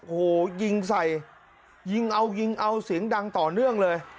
โอ้โหยิงใส่ยิงเอายิงเอาเสียงดังต่อเนื่องเลย